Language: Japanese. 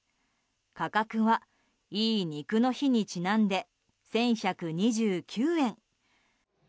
価格は、いい肉の日にちなんで１１２９円。